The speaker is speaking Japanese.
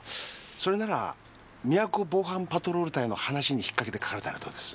それならみやこ防犯パトロール隊の話にひっかけて書かれたらどうです？